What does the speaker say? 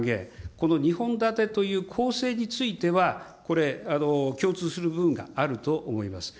この２本立てという構成については、共通する部分があると思います。